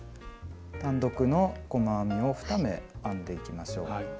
単独の細編みを２目編んでいきましょう。